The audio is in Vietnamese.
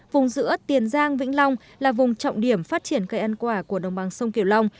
vùng giữa tiền giang vĩnh long là vùng trọng điểm phát triển cây ăn quả của đồng bằng sông kiều long